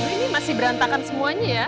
ini masih berantakan semuanya ya